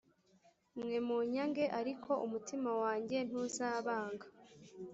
mwe munyange ariko umutima wanjye ntuzabanga